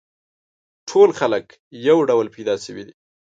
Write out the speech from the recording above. ټول خلک یو ډول پیدا شوي دي.